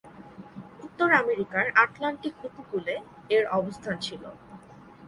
উত্তর আমেরিকার আটলান্টিক উপকূলে এর অবস্থান ছিল।